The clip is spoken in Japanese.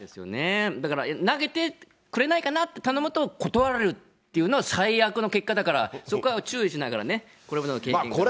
だから投げてくれないかなって頼むと、断られるっていうのは最悪の結果だから、そこは注意しながらね、これまでの経験から。